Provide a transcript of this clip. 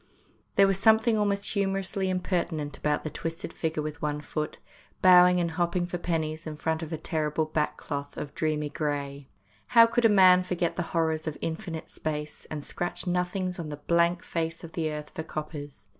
There was something almost humorously impertinent about that twisted figure with one foot bowing and hopping for pennies in front of a terrible back cloth of dreamy grey. How could a man forget the horrors of infinite space, and scratch nothings on the blank face of the earth for coppers?